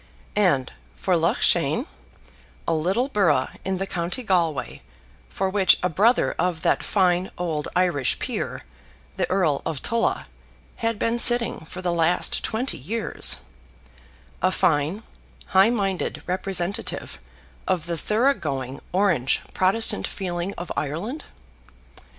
And for Loughshane, a little borough in the county Galway, for which a brother of that fine old Irish peer, the Earl of Tulla, had been sitting for the last twenty years, a fine, high minded representative of the thorough going Orange Protestant feeling of Ireland!